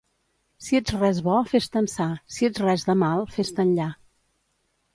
Si ets res bo, fes-te ençà; si ets res de mal, fes-te enllà.